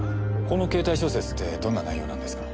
このケータイ小説ってどんな内容なんですか？